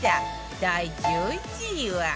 第１１位は